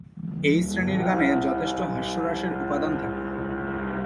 এই শ্রেণীর গানে যথেষ্ট হাস্যরসের উপাদান থাকে।